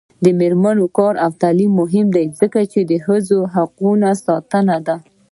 د میرمنو کار او تعلیم مهم دی ځکه چې ښځو حقونو ساتنه ده.